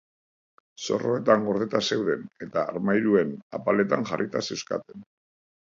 Zorroetan gordeta zeuden, eta armairuen apaletan jarrita zeuzkaten.